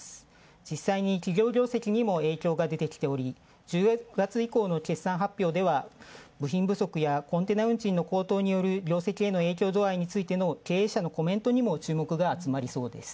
実際に影響が出てきており、１０月以降の決算発表では部品不足やコンテナ運賃の高騰による業績の影響度合いが経営者のコメントにも注目があつまりそうです。